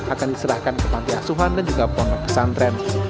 akan diserahkan ke panti asuhan dan juga pondok pesantren